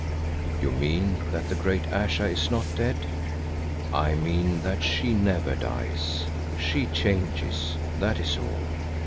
"You mean that the great Ayesha is not dead?" "I mean that She never dies. She changes, that is all.